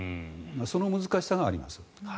その難しさがあります。